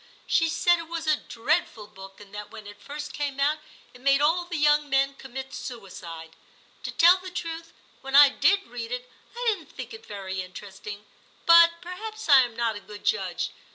She said it was a dreadful book, and that when it first came out it made all the young men commit suicide. To tell the truth, when I did read it, I didn't think it very interesting, but perhaps I am not a good judge.